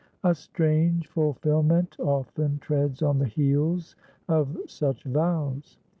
A strange fulfilment often treads on the heels of such vows.